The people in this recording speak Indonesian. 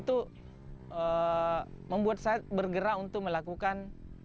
atau bayi penyu itu itu membuat saya bergerak untuk melakukan